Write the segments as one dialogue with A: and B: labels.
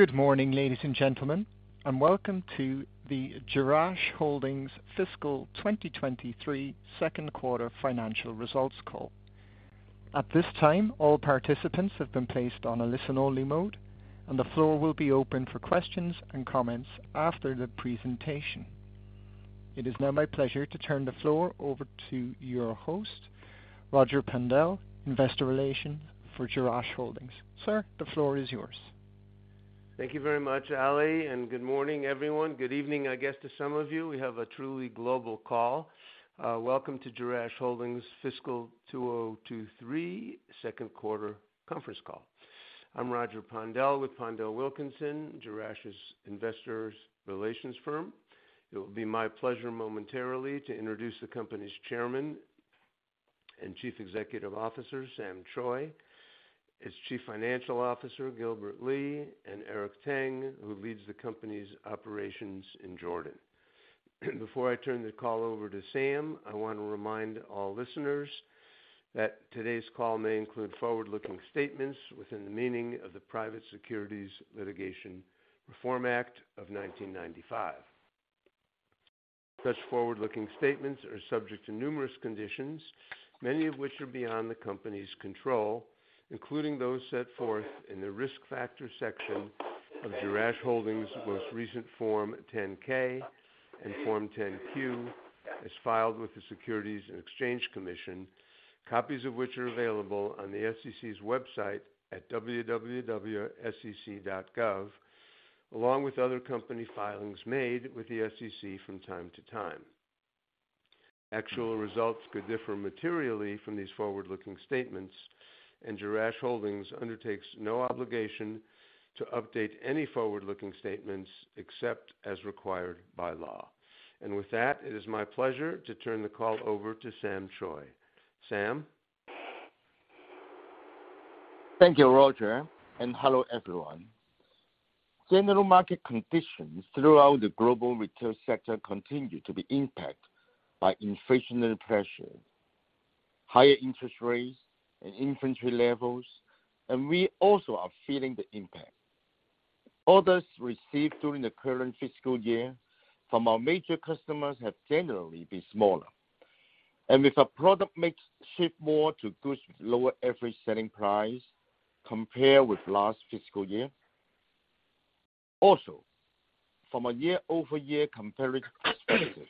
A: Good morning, ladies and gentlemen, and welcome to the Jerash Holdings Fiscal 2023 second quarter financial results call. At this time, all participants have been placed on a listen-only mode, and the floor will be open for questions and comments after the presentation. It is now my pleasure to turn the floor over to your host, Roger Pondel, Investor Relations for Jerash Holdings. Sir, the floor is yours.
B: Thank you very much, Ali, and good morning, everyone. Good evening, I guess to some of you. We have a truly global call. Welcome to Jerash Holdings Fiscal 2023 second quarter conference call. I'm Roger Pondel with PondelWilkinson, Jerash's investor relations firm. It will be my pleasure momentarily to introduce the company's chairman and Chief Executive Officer, Sam Choi, his Chief Financial Officer, Gilbert Lee, and Eric Tang, who leads the company's operations in Jordan. Before I turn the call over to Sam, I wanna remind all listeners that today's call may include forward-looking statements within the meaning of the Private Securities Litigation Reform Act of 1995. Such forward-looking statements are subject to numerous conditions, many of which are beyond the company's control, including those set forth in the Risk Factors section of Jerash Holdings most recent Form 10-K and Form 10-Q, as filed with the Securities and Exchange Commission. Copies of which are available on the SEC's website at www.sec.gov, along with other company filings made with the SEC from time to time. Actual results could differ materially from these forward-looking statements, and Jerash Holdings undertakes no obligation to update any forward-looking statements except as required by law. With that, it is my pleasure to turn the call over to Sam Choi. Sam?
C: Thank you, Roger, and hello, everyone. General market conditions throughout the global retail sector continue to be impacted by inflationary pressure, higher interest rates and inventory levels, and we also are feeling the impact. Orders received during the current fiscal year from our major customers have generally been smaller. With our product mix shift more toward lower average selling price compared with last fiscal year. Also, from a year-over-year comparative perspective,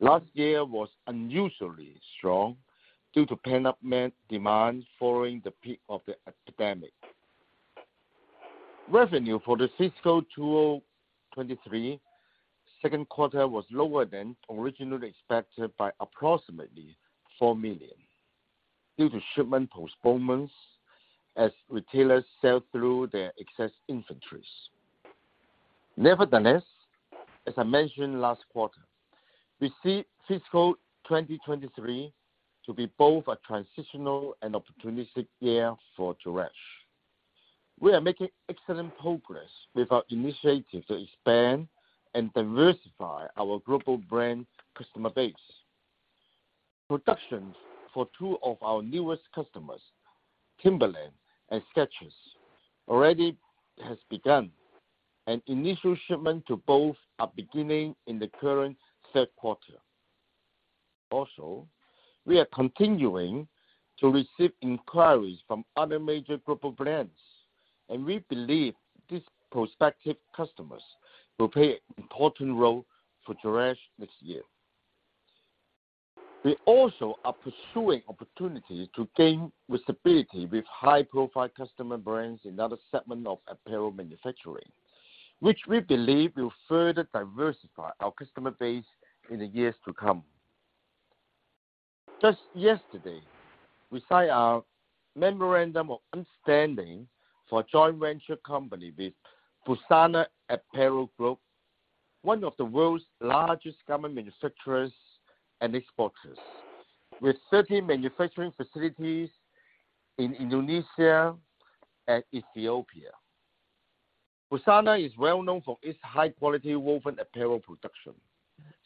C: last year was unusually strong due to pent-up demand following the peak of the pandemic. Revenue for the fiscal 2023 second quarter was lower than originally expected by approximately $4 million due to shipment postponements as retailers sell through their excess inventories. Nevertheless, as I mentioned last quarter, we see fiscal 2023 to be both a transitional and opportunistic year for Jerash. We are making excellent progress with our initiative to expand and diversify our global brand customer base. Production for two of our newest customers, Timberland and Skechers, already has begun. Initial shipment to both are beginning in the current third quarter. Also, we are continuing to receive inquiries from other major global brands, and we believe these prospective customers will play an important role for Jerash next year. We also are pursuing opportunities to gain visibility with high-profile customer brands in other segments of apparel manufacturing, which we believe will further diversify our customer base in the years to come. Just yesterday, we signed our memorandum of understanding for a joint venture company with Busana Apparel Group, one of the world's largest garment manufacturers and exporters, with certain manufacturing facilities in Indonesia and Ethiopia. Busana is well-known for its high-quality woven apparel production,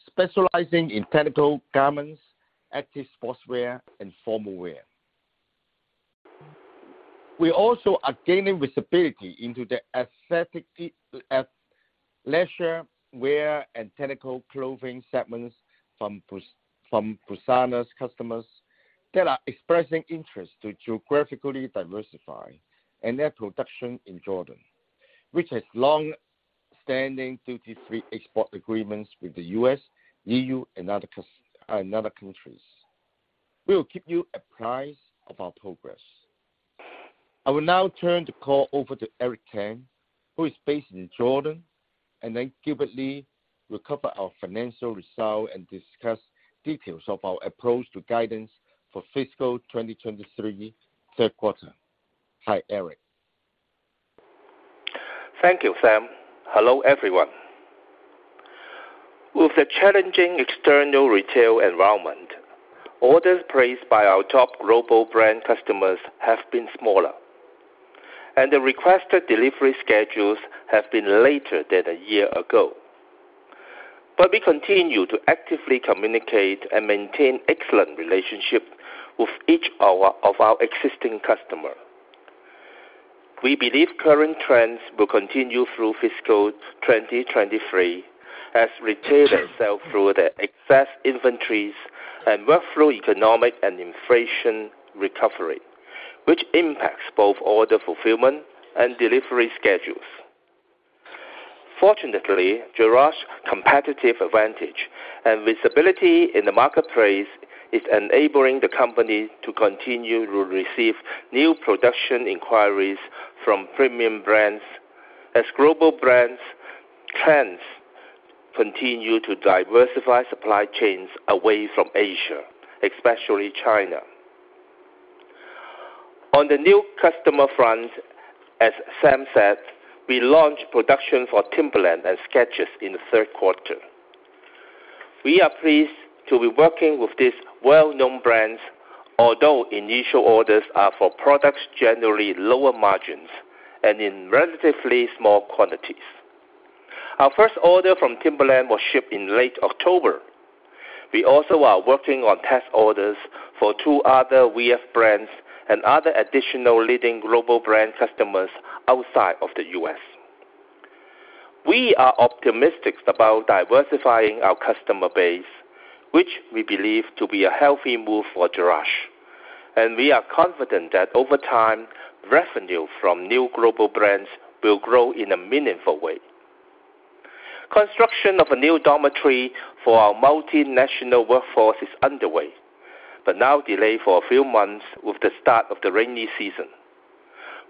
C: specializing in technical garments, active sportswear, and formal wear. We also are gaining visibility into the aesthetic, athleisure wear and technical clothing segments from Busana's customers that are expressing interest to geographically diversify their production in Jordan, which has long-standing duty-free export agreements with the U.S., EU and other countries. We will keep you apprised of our progress. I will now turn the call over to Eric Tang, who is based in Jordan, and then Gilbert Lee will cover our financial results and discuss details of our approach to guidance for fiscal 2023 third quarter. Hi, Eric.
D: Thank you, Sam. Hello, everyone. With the challenging external retail environment, orders placed by our top global brand customers have been smaller, and the requested delivery schedules have been later than a year ago. We continue to actively communicate and maintain excellent relationship with each of our existing customer. We believe current trends will continue through fiscal 2023 as retailers sell through their excess inventories and work through economic and inflation recovery, which impacts both order fulfillment and delivery schedules. Fortunately, Jerash competitive advantage and visibility in the marketplace is enabling the company to continue to receive new production inquiries from premium brands as global brands trends continue to diversify supply chains away from Asia, especially China. On the new customer front, as Sam said, we launched production for Timberland and Skechers in the third quarter. We are pleased to be working with these well-known brands, although initial orders are for products generally lower margins and in relatively small quantities. Our first order from Timberland was shipped in late October. We also are working on test orders for two other VF brands and other additional leading global brand customers outside of the U.S. We are optimistic about diversifying our customer base, which we believe to be a healthy move for Jerash, and we are confident that over time, revenue from new global brands will grow in a meaningful way. Construction of a new dormitory for our multinational workforce is underway, but now delayed for a few months with the start of the rainy season.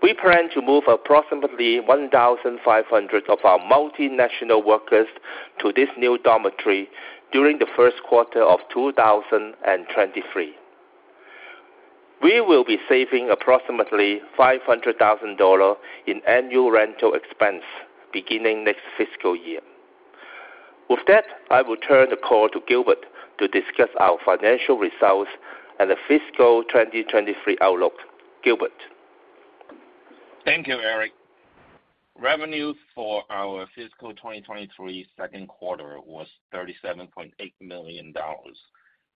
D: We plan to move approximately 1,500 of our multinational workers to this new dormitory during the first quarter of 2023. We will be saving approximately $500,000 in annual rental expense beginning next fiscal year. With that, I will turn the call to Gilbert to discuss our financial results and the fiscal 2023 outlook. Gilbert?
E: Thank you, Eric. Revenue for our fiscal 2023 second quarter was $37.8 million,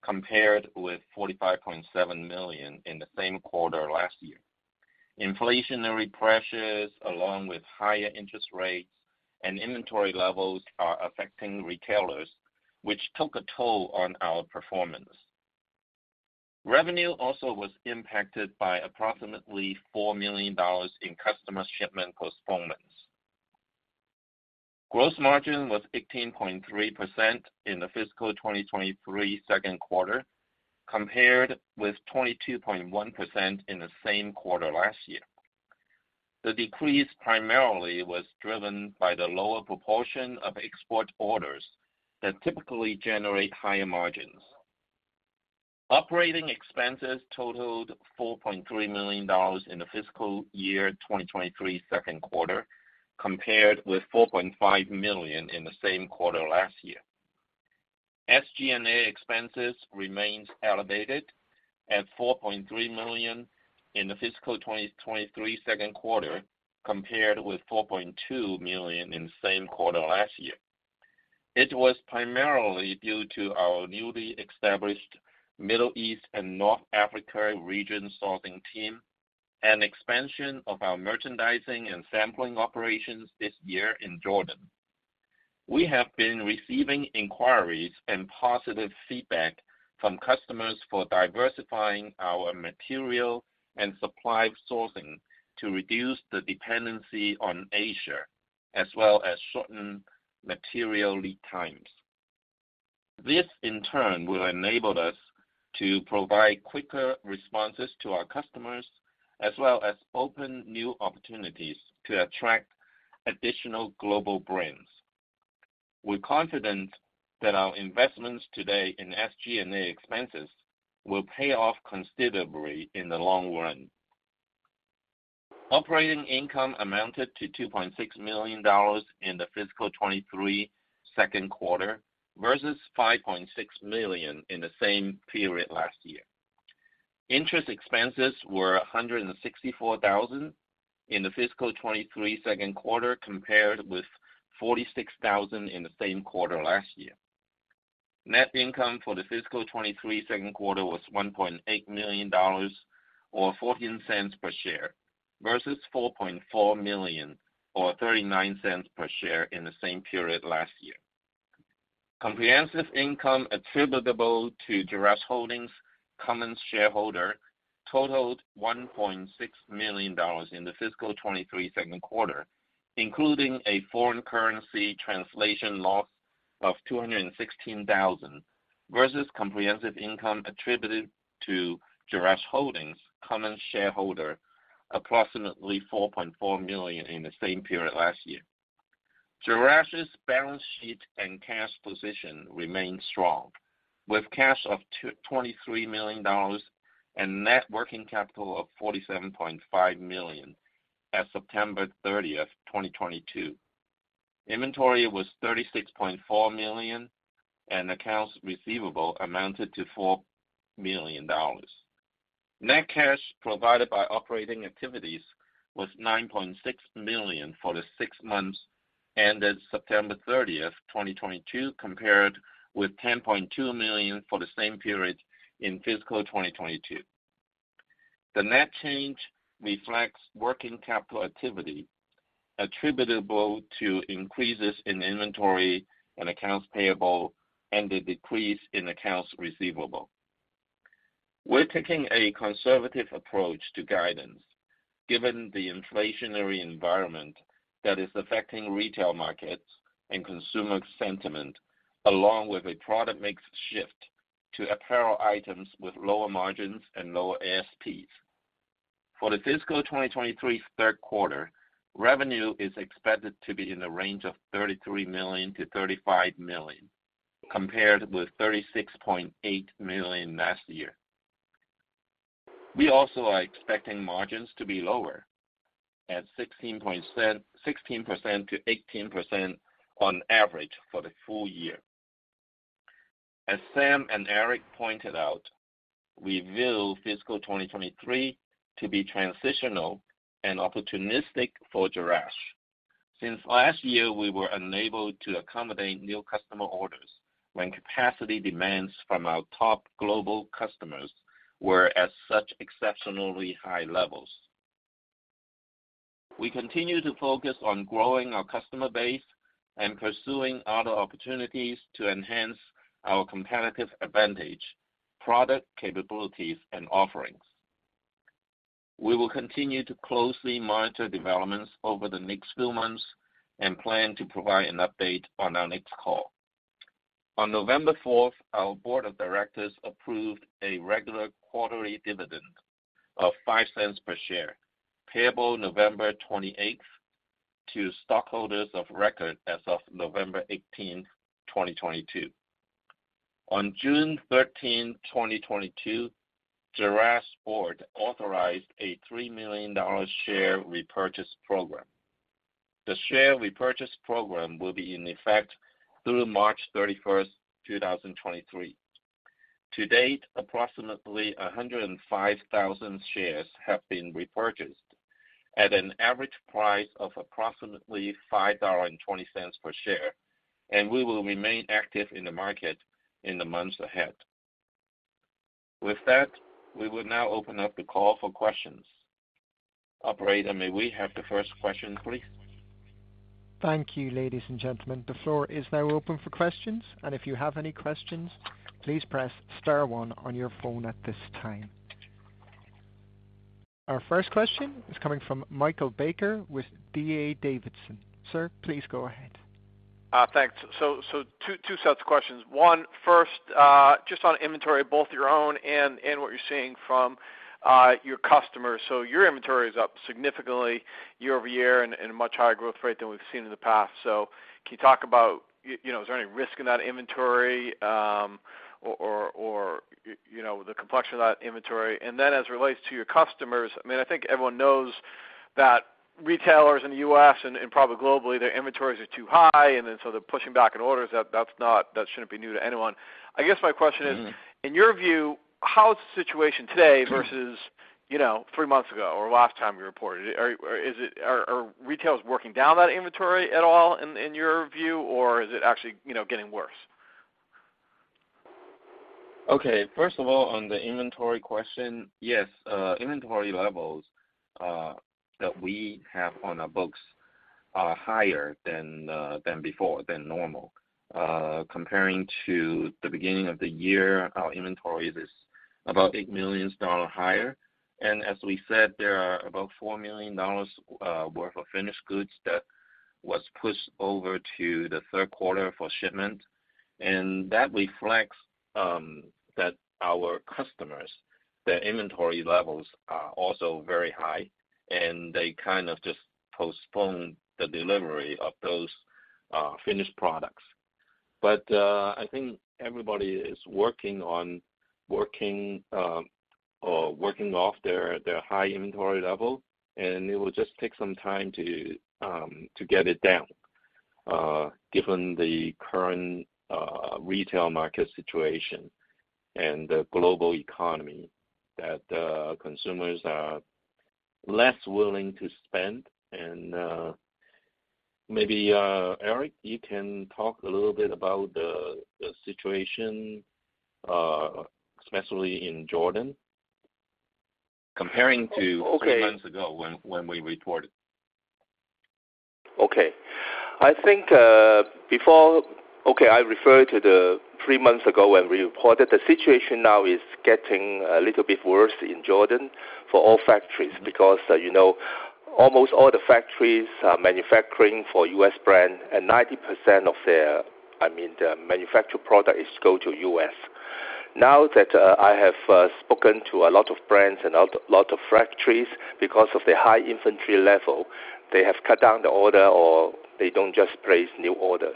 E: compared with $45.7 million in the same quarter last year. Inflationary pressures, along with higher interest rates and inventory levels, are affecting retailers, which took a toll on our performance. Revenue also was impacted by approximately $4 million in customer shipment postponements. Gross margin was 18.3% in the fiscal 2023 second quarter, compared with 22.1% in the same quarter last year. The decrease primarily was driven by the lower proportion of export orders that typically generate higher margins. Operating expenses totaled $4.3 million in the fiscal year 2023 second quarter, compared with $4.5 million in the same quarter last year. SG&A expenses remains elevated at $4.3 million in the fiscal 2023 second quarter, compared with $4.2 million in the same quarter last year. It was primarily due to our newly established Middle East and North Africa region sourcing team and expansion of our merchandising and sampling operations this year in Jordan. We have been receiving inquiries and positive feedback from customers for diversifying our material and supply sourcing to reduce the dependency on Asia, as well as shorten material lead times. This, in turn, will enable us to provide quicker responses to our customers, as well as open new opportunities to attract additional global brands. We're confident that our investments today in SG&A expenses will pay off considerably in the long run. Operating income amounted to $2.6 million in the fiscal 2023 second quarter versus $5.6 million in the same period last year. Interest expenses were $164 thousand in the fiscal 2023 second quarter, compared with $46 thousand in the same quarter last year. Net income for the fiscal 2023 second quarter was $1.8 million or $0.14 per share, versus $4.4 million or $0.39 per share in the same period last year. Comprehensive income attributable to Jerash Holdings common shareholder totaled $1.6 million in the fiscal 2023 second quarter, including a foreign currency translation loss of $216 thousand versus comprehensive income attributed to Jerash Holdings common shareholder approximately $4.4 million in the same period last year. Jerash's balance sheet and cash position remain strong with cash of $23 million and net working capital of $47.5 million as of September 30, 2022. Inventory was $36.4 million, and accounts receivable amounted to $4 million. Net cash provided by operating activities was $9.6 million for the six months ended September 30, 2022, compared with $10.2 million for the same period in fiscal 2022. The net change reflects working capital activity attributable to increases in inventory and accounts payable and a decrease in accounts receivable. We're taking a conservative approach to guidance given the inflationary environment that is affecting retail markets and consumer sentiment, along with a product mix shift to apparel items with lower margins and lower ASPs. For the fiscal 2023 third quarter, revenue is expected to be in the range of $33 million-$35 million, compared with $36.8 million last year. We also are expecting margins to be lower at 16%-18% on average for the full year. As Sam and Eric pointed out, we view fiscal 2023 to be transitional and opportunistic for Jerash. Since last year, we were unable to accommodate new customer orders when capacity demands from our top global customers were at such exceptionally high levels. We continue to focus on growing our customer base and pursuing other opportunities to enhance our competitive advantage, product capabilities, and offerings. We will continue to closely monitor developments over the next few months and plan to provide an update on our next call. On November 4, our board of directors approved a regular quarterly dividend of $0.05 per share, payable November 28 to stockholders of record as of November 18, 2022. On June 13, 2022, Jerash's board authorized a $3 million share repurchase program. The share repurchase program will be in effect through March 31, 2023. To date, approximately 105,000 shares have been repurchased at an average price of approximately $5.20 per share, and we will remain active in the market in the months ahead. With that, we will now open up the call for questions. Operator, may we have the first question, please?
A: Thank you, ladies and gentlemen. The floor is now open for questions, and if you have any questions, please press star one on your phone at this time. Our first question is coming from Michael Baker with D.A. Davidson. Sir, please go ahead.
F: Thanks. Two sets of questions. First, just on inventory, both your own and what you're seeing from your customers. Your inventory is up significantly year-over-year and much higher growth rate than we've seen in the past. Can you talk about, you know, is there any risk in that inventory, or, you know, the complexion of that inventory? As it relates to your customers, I mean, I think everyone knows that retailers in the U.S. and probably globally, their inventories are too high, and so they're pushing back on orders. That's not new to anyone. I guess my question is-
E: Mm-hmm.
F: -in your view, how is the situation today versus, you know, three months ago or last time you reported? Are retailers working down that inventory at all in your view, or is it actually, you know, getting worse?
E: Okay. First of all, on the inventory question, yes, inventory levels that we have on our books are higher than before, than normal. Comparing to the beginning of the year, our inventory is about $8 million higher. As we said, there are about $4 million worth of finished goods that was pushed over to the third quarter for shipment. That reflects, that our customers, their inventory levels are also very high, and they kind of just postpone the delivery of those, finished products. I think everybody is working off their high inventory level, and it will just take some time to get it down, given the current retail market situation and the global economy, that consumers are less willing to spend. Maybe Eric, you can talk a little bit about the situation, especially in Jordan comparing to-
D: Okay.
E: -three months ago when we reported.
D: Okay, I refer to the three months ago when we reported. The situation now is getting a little bit worse in Jordan for all factories because, you know, almost all the factories are manufacturing for U.S. brand and 90% of their, I mean, their manufactured product is go to U.S. Now that, I have spoken to a lot of brands and a lot of factories, because of the high inventory level, they have cut down the order or they don't just place new orders.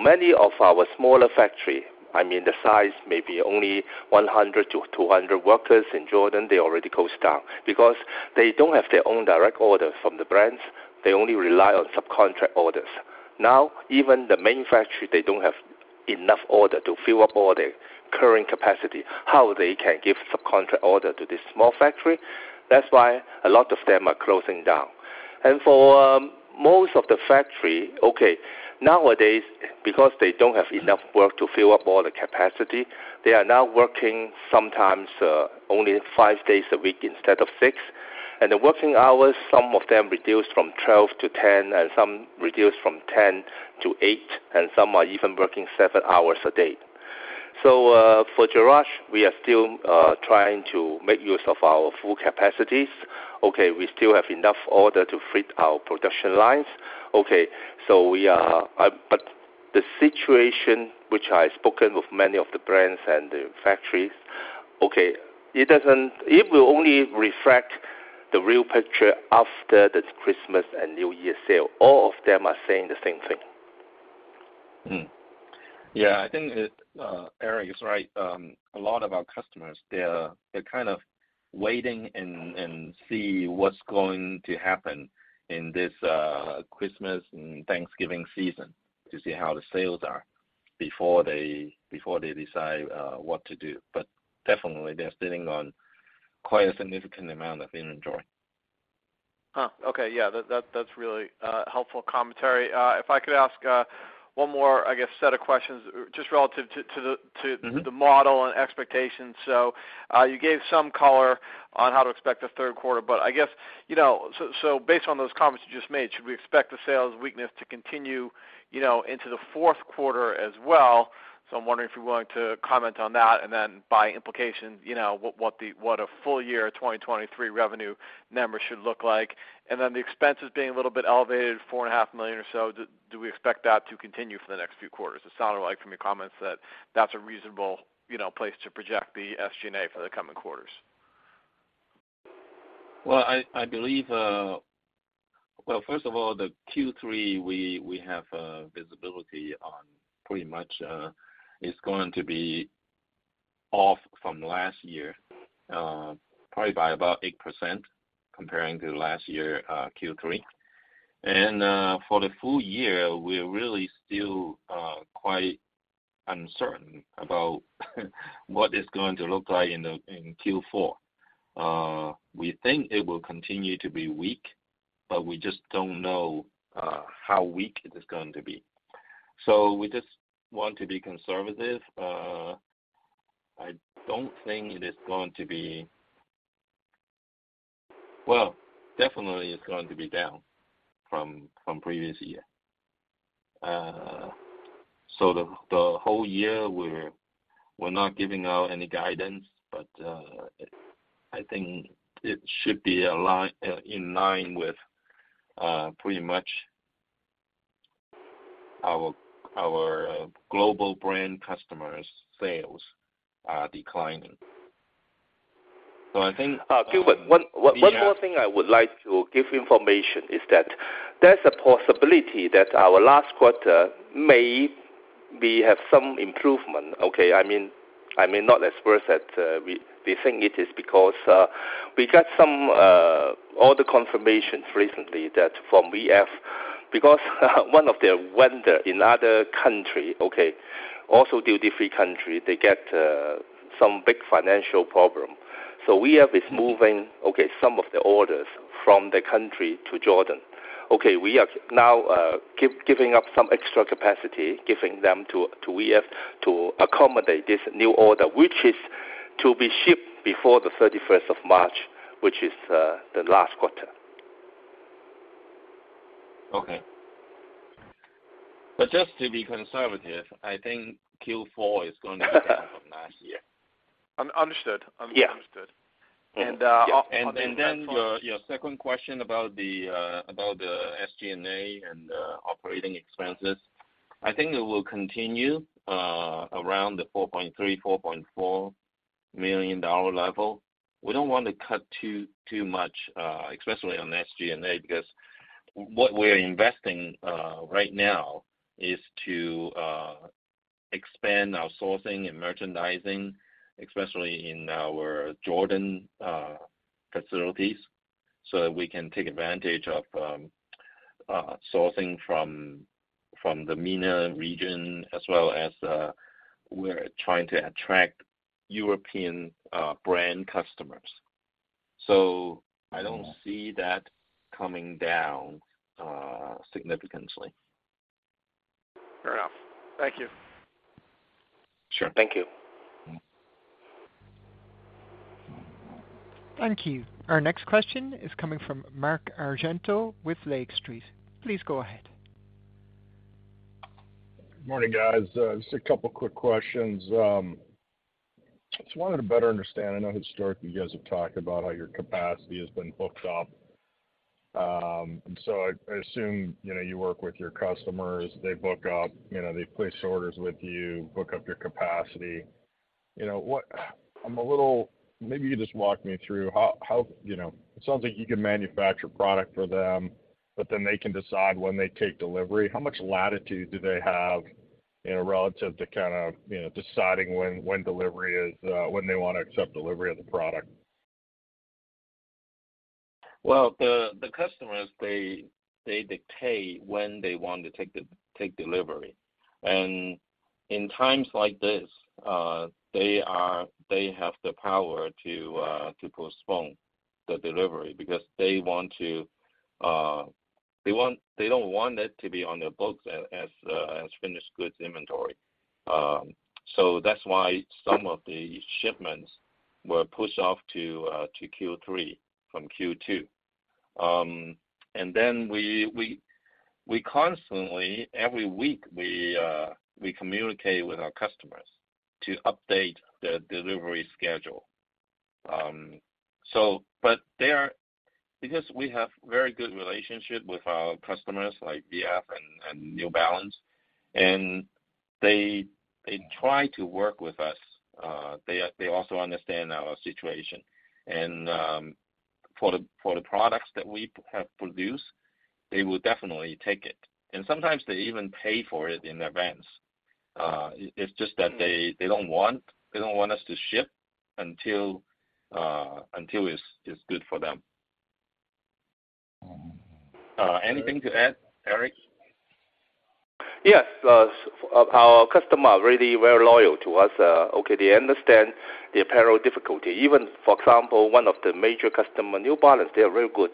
D: Many of our smaller factory, I mean the size may be only 100-200 workers in Jordan, they already closed down. Because they don't have their own direct order from the brands, they only rely on subcontract orders. Now, even the manufacturer, they don't have enough orders to fill up all the current capacity. How they can give subcontract orders to this small factory. That's why a lot of them are closing down. For most of the factories, nowadays, because they don't have enough work to fill up all the capacity, they are now working sometimes only five days a week instead of six. The working hours, some of them reduced from 12-10, and some reduced from 10-8, and some are even working seven hours a day. For Jerash, we are still trying to make use of our full capacities. We still have enough orders to fill our production lines. The situation which I spoken with many of the brands and the factories, okay, it will only reflect the real picture after the Christmas and New Year sale. All of them are saying the same thing.
E: Yeah, I think that Eric is right. A lot of our customers, they're kind of waiting to see what's going to happen in this Christmas and Thanksgiving season to see how the sales are before they decide what to do. Definitely, they're sitting on quite a significant amount of inventory.
F: Huh. Okay. Yeah. That's really helpful commentary. If I could ask one more, I guess, set of questions just relative to the-
E: Mm-hmm.
F: -to the model and expectations. You gave some color on how to expect the third quarter. I guess, you know, based on those comments you just made, should we expect the sales weakness to continue, you know, into the fourth quarter as well? I'm wondering if you're willing to comment on that, and then by implication, you know, what the full year 2023 revenue numbers should look like. Then the expenses being a little bit elevated, $4.5 million or so, do we expect that to continue for the next few quarters? It sounded like from your comments that that's a reasonable, you know, place to project the SG&A for the coming quarters.
E: Well, first of all, the Q3 we have visibility on pretty much is going to be off from last year, probably by about 8% comparing to last year, Q3. For the full year, we're really still quite uncertain about what it's going to look like in Q4. We think it will continue to be weak, but we just don't know how weak it is going to be. We just want to be conservative. I don't think it is going to be. Well, definitely it's going to be down from previous year. The whole year we're not giving out any guidance, but I think it should be in line with pretty much our global brand customers' sales are declining. I think-
D: Gilbert, one more thing I would like to give information is that there's a possibility that our last quarter may have some improvement, okay? I mean, I may not express that we think it is because we got some order confirmations recently that from VF, because one of their vendor in other country, okay, also duty-free country, they get some big financial problem. So VF is moving some of the orders from the country to Jordan. Okay, we are now giving up some extra capacity, giving them to VF to accommodate this new order, which is to be shipped before the 31st of March, which is the last quarter.
E: Okay. Just to be conservative, I think Q4 is going to be down from last year.
F: Understood.
D: Yeah.
E: Your second question about the SG&A and operating expenses, I think it will continue around the $4.3-$4.4 million level. We don't want to cut too much, especially on SG&A, because what we're investing right now is to expand our sourcing and merchandising, especially in our Jordan facilities, so that we can take advantage of sourcing from the MENA region as well as we're trying to attract European brand customers. I don't see that coming down significantly.
F: Fair enough. Thank you.
D: Sure. Thank you.
E: Mm-hmm.
A: Thank you. Our next question is coming from Mark Argento with Lake Street. Please go ahead.
G: Good morning, guys. Just a couple quick questions. Just wanted to better understand. I know historically you guys have talked about how your capacity has been booked up. I assume, you know, you work with your customers, they book up, you know, they place orders with you, book up your capacity. You know, maybe you just walk me through how, you know, it sounds like you can manufacture product for them, but then they can decide when they take delivery. How much latitude do they have, you know, relative to kind of, you know, deciding when delivery is, when they wanna accept delivery of the product?
E: Well, customers dictate when they want to take delivery. In times like this, they have the power to postpone the delivery because they don't want it to be on their books as finished goods inventory. That's why some of the shipments were pushed off to Q3 from Q2. We constantly, every week, communicate with our customers to update the delivery schedule. Because we have very good relationship with our customers like VF and New Balance, they try to work with us. They also understand our situation. For the products that we have produced, they will definitely take it. Sometimes they even pay for it in advance. It's just that they don't want us to ship until it's good for them. Anything to add, Eric?
D: Yes. Our customer are really very loyal to us. Okay, they understand the apparel difficulty. Even, for example, one of the major customer, New Balance, they are very good.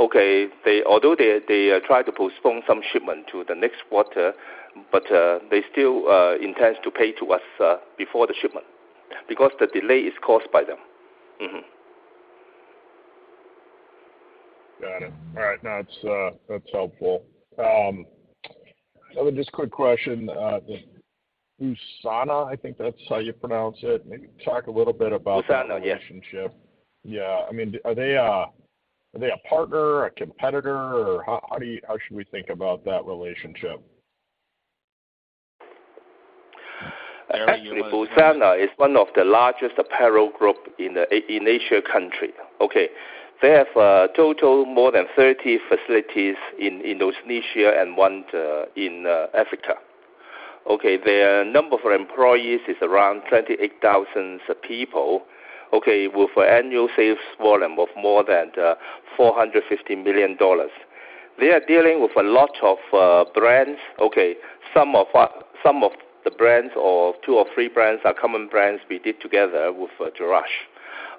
D: Okay, although they try to postpone some shipment to the next quarter, but they still intends to pay to us before the shipment because the delay is caused by them.
E: Mm-hmm.
G: Got it. All right. No, it's, that's helpful. Just quick question. The Busana, I think that's how you pronounce it, maybe talk a little bit about-
D: Busana, yes
G: -the relationship. Yeah. I mean, are they a partner, a competitor, or how should we think about that relationship?
D: Actually, Busana is one of the largest apparel group in Asian countries. They have total more than 30 facilities in Indonesia and one in Africa. Their number of employees is around 28,000 people, with annual sales volume of more than $450 million. They are dealing with a lot of brands. Some of the brands or two or three brands are common brands we did together with Jerash.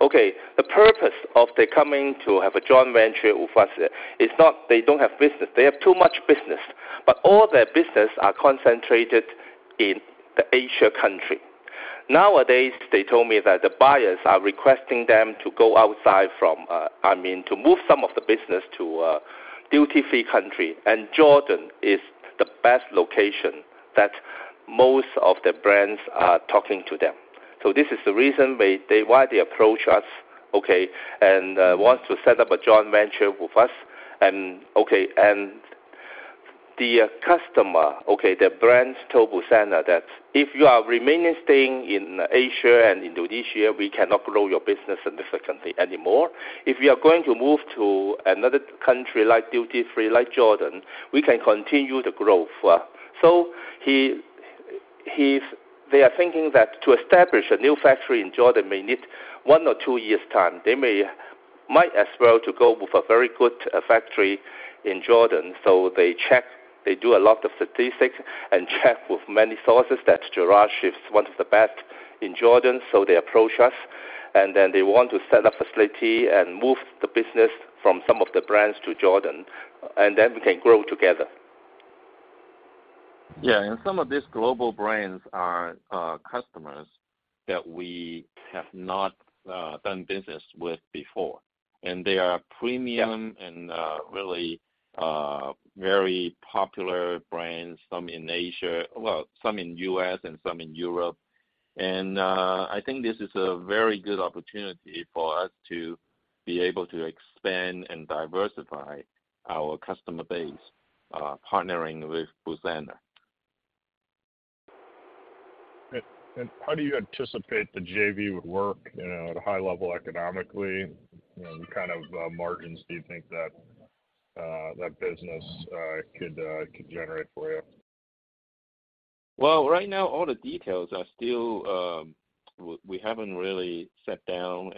D: The purpose of them coming to have a joint venture with us, it's not they don't have business. They have too much business. All their business are concentrated in the Asian countries. Nowadays, they told me that the buyers are requesting them to go outside from, I mean, to move some of the business to a duty-free country, and Jordan is the best location that most of the brands are talking to them. This is the reason why they approach us, okay, and wants to set up a joint venture with us. Okay, and the customer, okay, the brands told Busana that if you are remaining staying in Asia and Indonesia, we cannot grow your business significantly anymore. If you are going to move to another country like duty-free, like Jordan, we can continue the growth. They are thinking that to establish a new factory in Jordan may need one or two years' time. They might as well to go with a very good factory in Jordan. They check, they do a lot of statistics and check with many sources that Jerash is one of the best in Jordan, so they approach us. Then they want to set up facility and move the business from some of the brands to Jordan, and then we can grow together.
E: Yeah. Some of these global brands are customers that we have not done business with before. They are premium-
D: Yeah
E: -really, very popular brands, some in Asia, well, some in U.S. and some in Europe. I think this is a very good opportunity for us to be able to expand and diversify our customer base, partnering with Busana.
G: How do you anticipate the JV would work, you know, at a high level economically? You know, what kind of margins do you think that business could generate for you?
E: Well, right now all the details are still, we haven't really sat down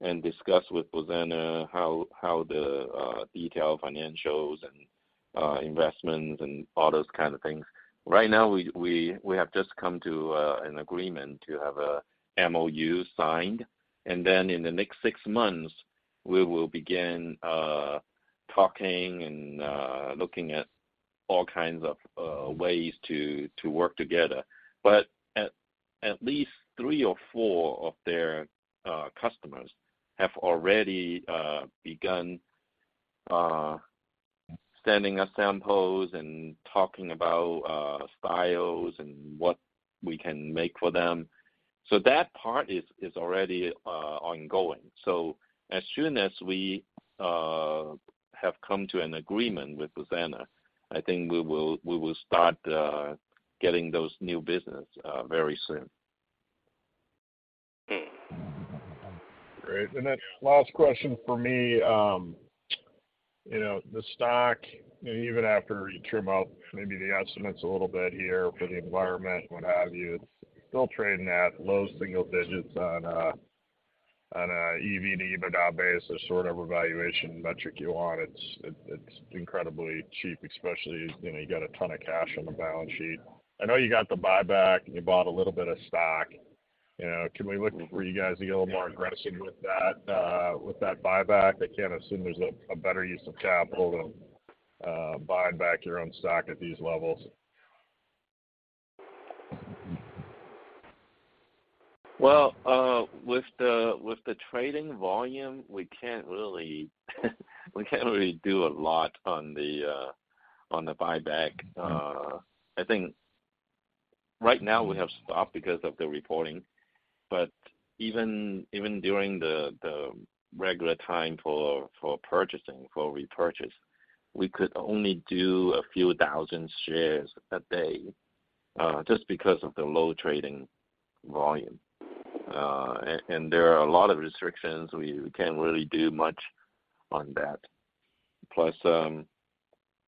E: and discussed with Busana how the detailed financials and investments and all those kind of things. Right now we have just come to an agreement to have a MOU signed. Then in the next six months, we will begin talking and looking at all kinds of ways to work together. At least three or four of their customers have already begun sending us samples and talking about styles and what we can make for them. That part is already ongoing. As soon as we have come to an agreement with Busana, I think we will start getting those new business very soon.
G: Great. Last question for me. You know, the stock, you know, even after you trim up maybe the estimates a little bit here for the environment, what have you, it's still trading at low single digits on a EV and EBITDA basis, sort of valuation metric you want. It's incredibly cheap, especially, you know, you got a ton of cash on the balance sheet. I know you got the buyback and you bought a little bit of stock. You know, can we look for you guys to get a little more aggressive with that buyback? I can't assume there's a better use of capital than buying back your own stock at these levels.
E: Well, with the trading volume, we can't really do a lot on the buyback. I think right now we have stopped because of the reporting, but even during the regular time for purchasing for repurchase, we could only do a few thousand shares a day, just because of the low trading volume. There are a lot of restrictions. We can't really do much on that. Plus,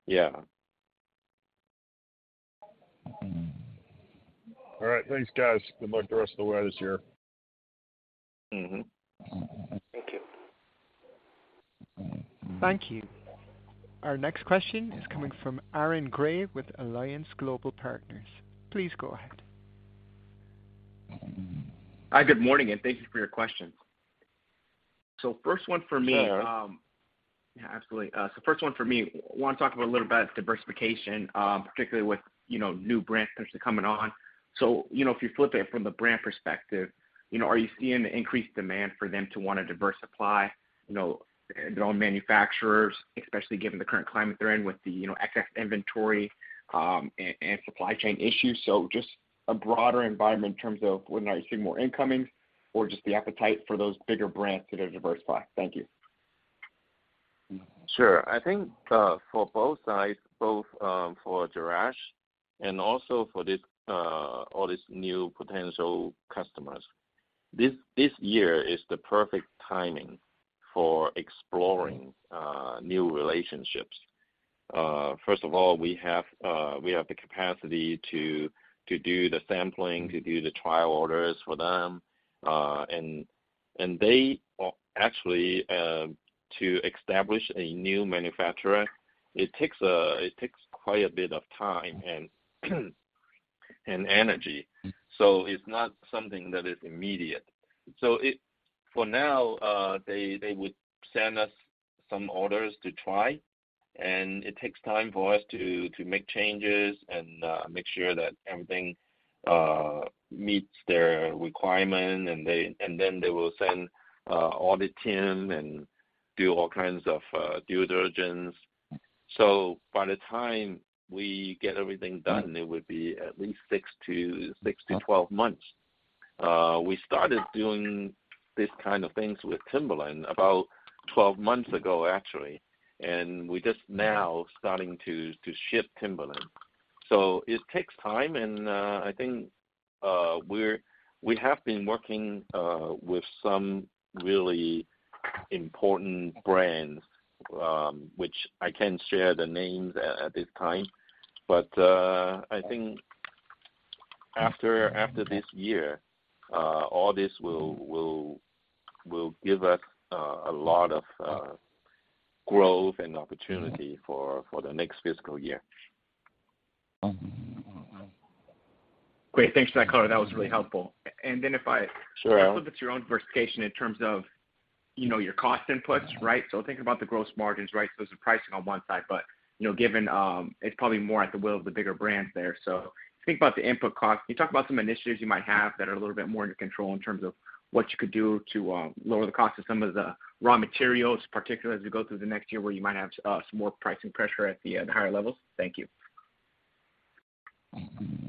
E: yeah.
G: All right. Thanks, guys. Good luck the rest of the way this year.
E: Mm-hmm. Thank you.
A: Thank you. Our next question is coming from Aaron Grey with Alliance Global Partners. Please go ahead.
H: Hi, good morning, and thank you for your question. First one for me.
E: Sure.
H: Yeah, absolutely. First one for me, want to talk about a little about diversification, particularly with, you know, new brands potentially coming on. You know, if you flip it from the brand perspective, you know, are you seeing the increased demand for them to wanna diversify, you know, their own manufacturers, especially given the current climate they're in with the, you know, excess inventory, and supply chain issues? Just a broader environment in terms of whether or not you're seeing more incoming or just the appetite for those bigger brands to then diversify. Thank you.
E: Sure. I think for both sides, both for Jerash and also for all these new potential customers, this year is the perfect timing for exploring new relationships. First of all, we have the capacity to do the sampling, to do the trial orders for them. And they are actually to establish a new manufacturer, it takes quite a bit of time and energy. It's not something that is immediate. For now, they would send us some orders to try, and it takes time for us to make changes and make sure that everything meets their requirement. Then they will send audit team and do all kinds of due diligence. By the time we get everything done, it would be at least 6-12 months. We started doing these kind of things with Timberland about 12 months ago, actually, and we're just now starting to ship Timberland. It takes time and I think we're—we have been working with some really important brands, which I can't share the names at this time. I think after this year, all this will give us a lot of growth and opportunity for the next fiscal year.
H: Great. Thanks for that color. That was really helpful. If I-
E: Sure.
H: Also with your own diversification in terms of, you know, your cost inputs, right? So think about the gross margins, right? So it's the pricing on one side, but, you know, given, it's probably more at the will of the bigger brands there. So think about the input cost. Can you talk about some initiatives you might have that are a little bit more under control in terms of what you could do to lower the cost of some of the raw materials, particularly as we go through the next year where you might have some more pricing pressure at the, at the higher levels? Thank you.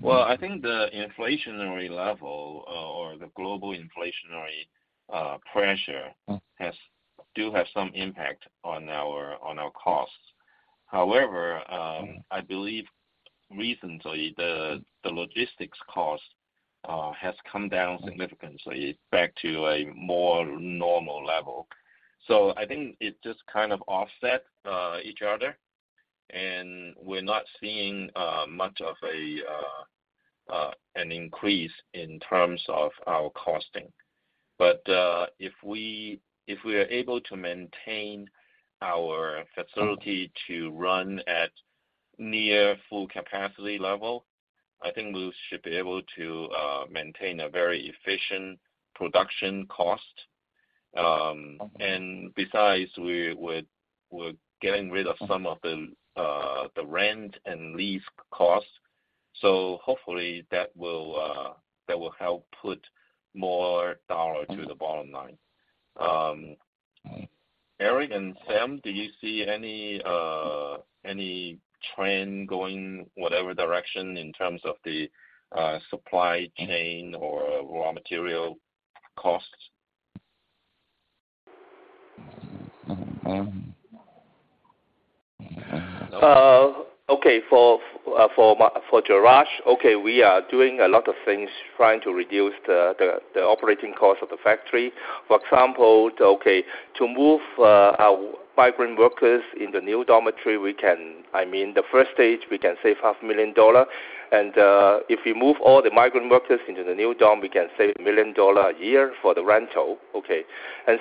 E: Well, I think the inflationary level or the global inflationary pressure has some impact on our costs. However, I believe recently the logistics cost has come down significantly back to a more normal level. I think it just kind of offset each other, and we're not seeing much of an increase in terms of our costing. If we are able to maintain our facility to run at near full capacity level, I think we should be able to maintain a very efficient production cost. Besides, we're getting rid of some of the rent and lease costs, so hopefully that will help put more dollar to the bottom line. Eric and Sam, do you see any trend going whatever direction in terms of the supply chain or raw material costs?
D: For Jerash, we are doing a lot of things trying to reduce the operating cost of the factory. For example, to move our migrant workers in the new dormitory, I mean, the first stage, we can save $500,000. If we move all the migrant workers into the new dorm, we can save $1 million a year for the rental.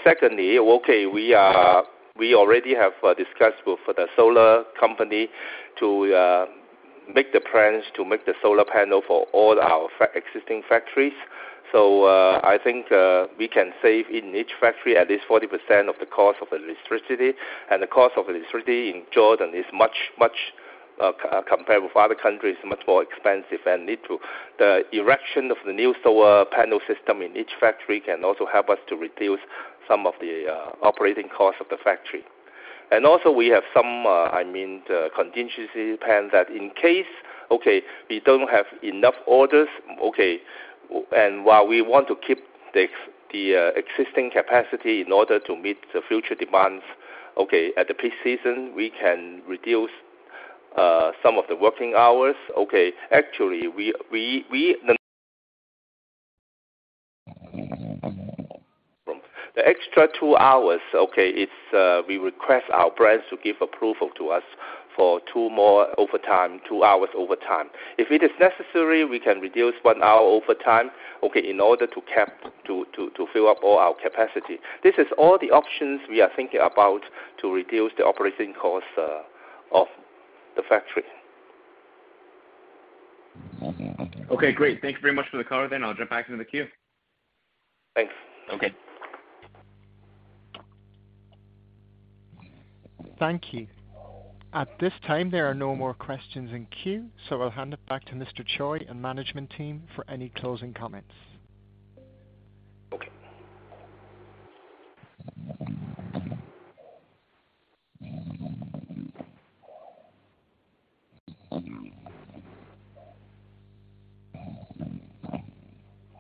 D: Secondly, we already have discussed with the solar company to make the plans to make the solar panel for all our existing factories. I think we can save in each factory at least 40% of the cost of electricity. The cost of electricity in Jordan is much more compared with other countries, much more expensive. The erection of the new solar panel system in each factory can also help us to reduce some of the operating costs of the factory. Also we have some, I mean, the contingency plan that in case, okay, we don't have enough orders, okay, and while we want to keep the existing capacity in order to meet the future demands, okay, at the peak season, we can reduce some of the working hours. Okay. Actually, the extra 2 hours, okay, it's we request our brands to give approval to us for two more overtime, two hours overtime. If it is necessary, we can reduce one hour overtime, okay, in order to fill up all our capacity. This is all the options we are thinking about to reduce the operating cost of the factory.
H: Mm-hmm. Okay. Okay, great. Thank you very much for the color then. I'll jump back into the queue.
D: Thanks.
E: Okay.
A: Thank you. At this time, there are no more questions in queue, so I'll hand it back to Mr. Choi and management team for any closing comments.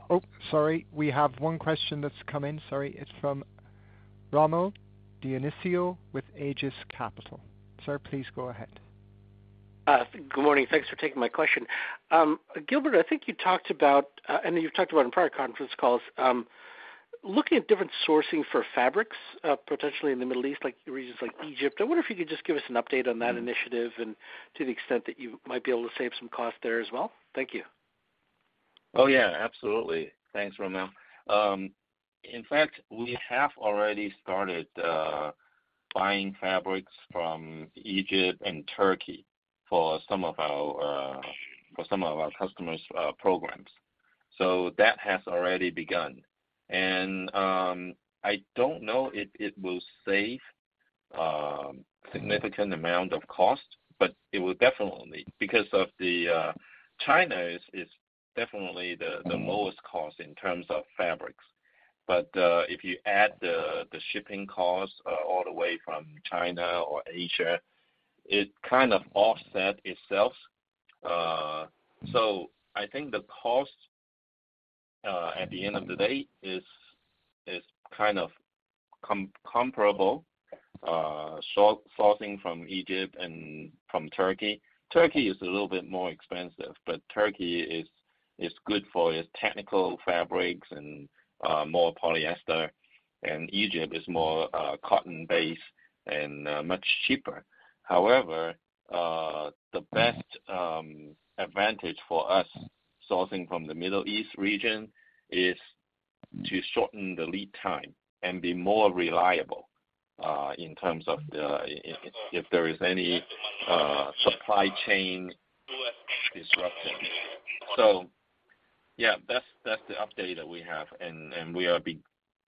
A: Oh, sorry. We have one question that's come in. Sorry. It's from Rommel Dionisio with Aegis Capital. Sir, please go ahead.
I: Good morning. Thanks for taking my question. Gilbert, I think you talked about, and you've talked about in prior conference calls, looking at different sourcing for fabrics, potentially in the Middle East, like regions like Egypt. I wonder if you could just give us an update on that initiative and to the extent that you might be able to save some cost there as well. Thank you.
E: Oh, yeah, absolutely. Thanks, Rommel. In fact, we have already started buying fabrics from Egypt and Turkey for some of our customers' programs. That has already begun. I don't know if it will save significant amount of cost, but it will definitely. Because China is definitely the lowest cost in terms of fabrics. If you add the shipping costs all the way from China or Asia, it kind of offset itself. I think the cost at the end of the day is kind of comparable sourcing from Egypt and from Turkey. Turkey is a little bit more expensive, but Turkey is good for its technical fabrics and more polyester, and Egypt is more cotton-based and much cheaper. However, the best advantage for us sourcing from the Middle East region is to shorten the lead time and be more reliable in terms of if there is any supply chain disruption. Yeah, that's the update that we have.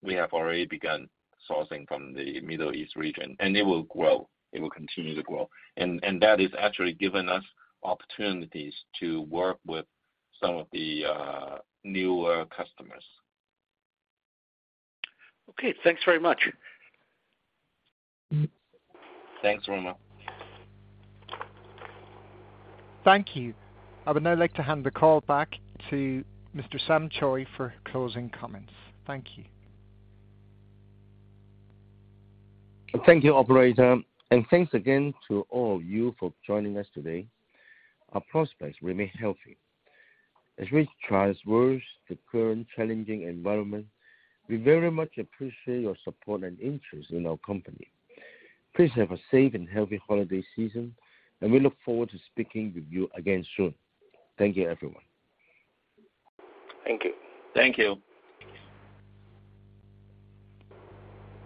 E: We have already begun sourcing from the Middle East region, and it will grow. It will continue to grow. That has actually given us opportunities to work with some of the newer customers.
I: Okay. Thanks very much.
E: Thanks, Rommel.
A: Thank you. I would now like to hand the call back to Mr. Sam Choi for closing comments. Thank you.
C: Thank you, operator. Thanks again to all of you for joining us today. Our prospects remain healthy. As we traverse the current challenging environment, we very much appreciate your support and interest in our company. Please have a safe and healthy holiday season, and we look forward to speaking with you again soon. Thank you, everyone.
D: Thank you.
E: Thank you.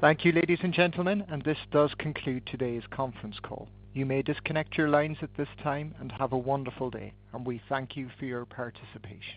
A: Thank you, ladies and gentlemen, and this does conclude today's conference call. You may disconnect your lines at this time and have a wonderful day, and we thank you for your participation.